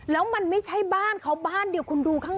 แล้วมันไม่ใช่บ้านเขาบ้านเดียวคุณดูข้าง